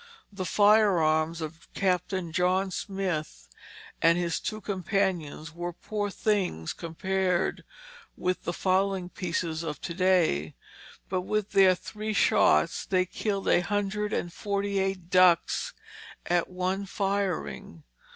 The firearms of Captain John Smith and his two companions were poor things compared with the fowling pieces of to day, but with their three shots they killed a hundred and forty eight ducks at one firing.